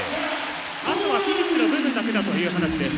あとはフィニッシュの部分だけだという話です。